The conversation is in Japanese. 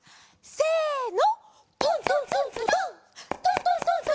せの！